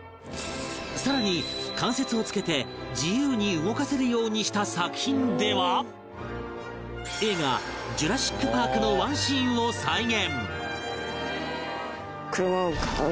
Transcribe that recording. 更に関節をつけて自由に動かせるようにした作品では映画『ジュラシック・パーク』のワンシーンを再現